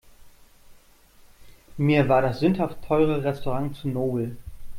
Mir war das sündhaft teure Restaurant zu nobel.